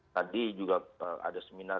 tadi juga ada seminar